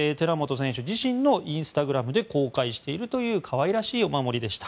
インスタグラムに公開している可愛らしいお守りでした。